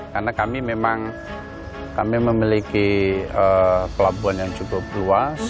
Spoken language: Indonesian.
karena kami memang memiliki pelabuhan yang cukup luas